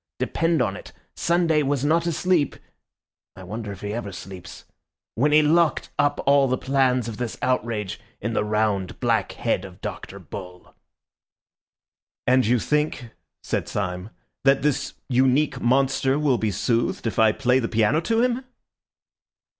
Depend on it, Sunday was not asleep (I wonder if he ever sleeps?) when he locked up all the plans of this outrage in the round, black head of Dr. Bull." "And you think," said Syme, "that this unique monster will be soothed if I play the piano to him?"